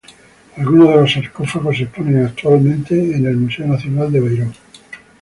Algunos de los sarcófagos se exponen actualmente en el Museo Nacional de Beirut.